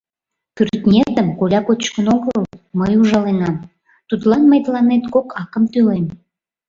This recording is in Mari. — Кӱртнетым коля кочкын огыл, мый ужаленам; тудлан мый тыланет кок акым тӱлем.